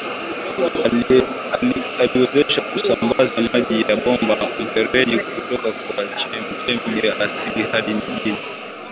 Aliwezesha kusambaza maji ya bomba mfereji kutoka kwa chechem ya asili hadi Mjini